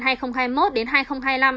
đường sắt cần đến bảy tỷ đồng